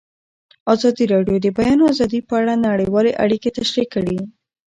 ازادي راډیو د د بیان آزادي په اړه نړیوالې اړیکې تشریح کړي.